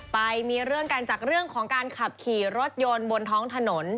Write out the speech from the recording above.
ไปมีเรื่องกันจากเรื่องของการขับขี่รถยนต์บนท้องถนน